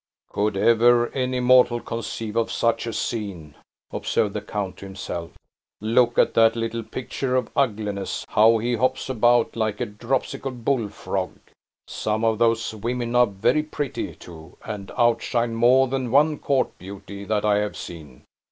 "Could ever any mortal conceive of such a scene," observed the count to himself; "look at that little picture of ugliness; how he hops about like a dropsical bull frog. Some of those women are very pretty, too, and outshine more than one court beauty that I have seen.